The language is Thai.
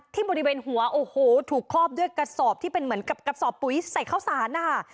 ที่บริเวณหัวโอ้โหถูกครอบด้วยกระสอบที่เป็นเหมือนกับกระสอบปุ๋ยใส่ข้าวสารนะคะ